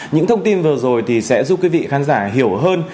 những thông tin vừa rồi thì sẽ giúp quý vị khán giả hiểu hơn